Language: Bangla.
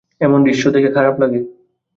এমন দৃশ্য দেখে খারাপ লাগে।